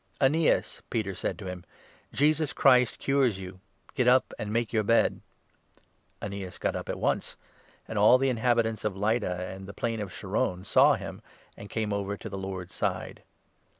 "Aeneas," Peter said to him, "Jesus Christ cures you. Get 34 up, and make your bed." Aeneas got up at once ; and all the inhabitants of Lydda and 35 of the Plain of Sharon saw him, and came over to the Lord's side.